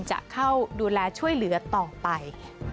จะเข้าดูแลช่วยเหลือต่อไป